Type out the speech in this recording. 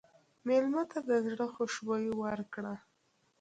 مېلمه ته د زړه خوشبويي ورکړه.